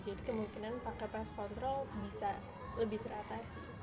jadi kemungkinan pakai pest control bisa lebih teratasi